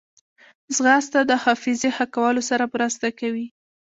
ځغاسته د حافظې ښه کولو سره مرسته کوي